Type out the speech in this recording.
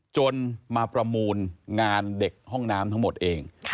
จนมาประมูลงานเด็กห้องน้ำทั้งหมดเอง